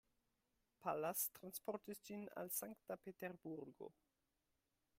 Pallas transportis ĝin al Sankta-Peterburgo.